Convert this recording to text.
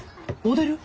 モデル？